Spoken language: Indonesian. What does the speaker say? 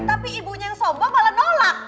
tapi ibunya yang sombong malah nolak